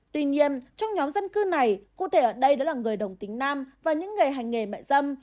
tuy nhiên trong nhóm dân cư này cụ thể ở đây đó là người đồng tính nam và những người hành nghề mạng dâm